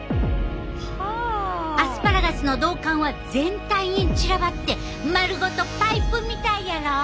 アスパラガスの道管は全体に散らばって丸ごとパイプみたいやろ？